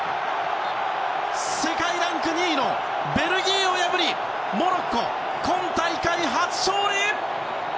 世界ランク２位のベルギーを破りモロッコ、今大会初勝利！